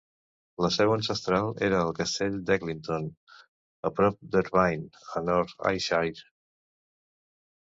La seu ancestral era el castell d'Eglinton, a prop d'Irvine, a North Ayrshire.